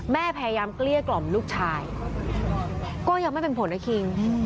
พยายามเกลี้ยกล่อมลูกชายก็ยังไม่เป็นผลนะคิง